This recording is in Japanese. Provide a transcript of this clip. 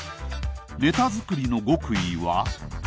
ネタ作りの極意は？